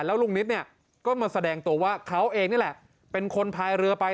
แล้วลุงนิตเนี่ยก็มาแสดงตัวว่าเขาเองนี่แหละเป็นคนพายเรือไป